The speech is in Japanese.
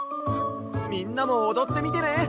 みんなもおどってみてね。